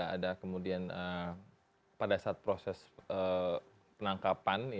ada kemudian pada saat proses penangkapan